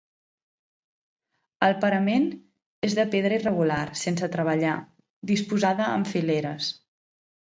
El parament és de pedra irregular, sense treballar, disposada en fileres.